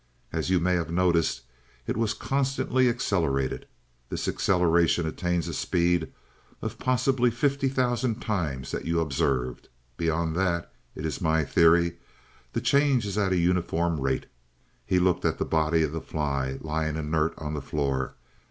As you may have noticed, it was constantly accelerated. This acceleration attains a speed of possibly fifty thousand times that you observed. Beyond that, it is my theory, the change is at a uniform rate." He looked at the body of the fly, lying inert on the floor.